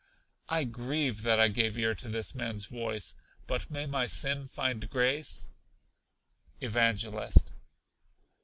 I grieve that I gave ear to this man's voice; but may my sin find grace? Evangelist.